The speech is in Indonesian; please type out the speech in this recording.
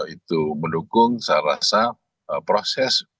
itu mendukung saya rasa proses